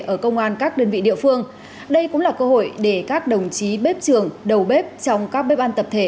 ở công an các đơn vị địa phương đây cũng là cơ hội để các đồng chí bếp trưởng đầu bếp trong các bếp ăn tập thể